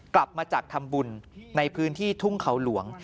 กลับมาจากทำบุญในพื้นที่ทุ่งเขาหลวง